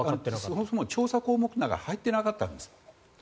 そもそも調査項目の中に入ってなかったんです。